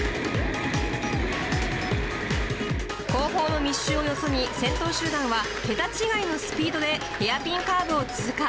後方の密集をよそに、先頭集団は桁違いのスピードで、ヘアピンカーブを通過。